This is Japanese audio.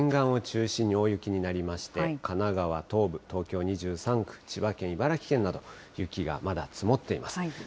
やはりきのうは沿岸を中心に大雪になりまして、神奈川東部、東京２３区、千葉県、茨城県など、雪がまだ積もっています。